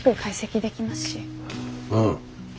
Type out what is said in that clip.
うん。